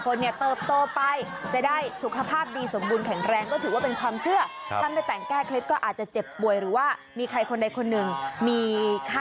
คืออย่างที่เค้าเคยเจอน่า